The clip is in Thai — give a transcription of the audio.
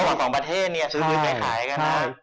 อ๋อส่วนของประเทศเนี่ยซื้อผืนไปขายกันนะใช่